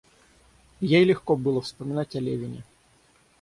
И ей легко было вспомнить о Левине.